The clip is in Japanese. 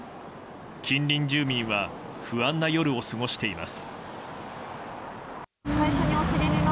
近隣住民は不安な夜を過ごしています。